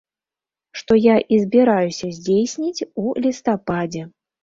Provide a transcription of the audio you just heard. Што я і збіраюся здзейсніць у лістападзе.